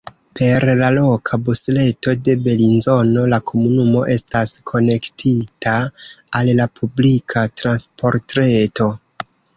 Per la loka busreto de Belinzono la komunumo estas konektita al la publika transportreto.